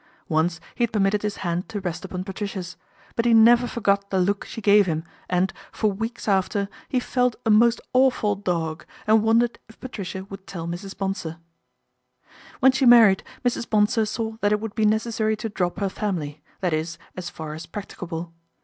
Once he had per mitted his hand to rest upon Patricia's ; but he never forgot the look she gave him and, for weeks after, he felt a most awful dog, and wondered if Patricia would tell Mrs. Bonsor. When she married, Mrs. Bonsor saw that it would be necessary to drop her family, that is as far as practicable.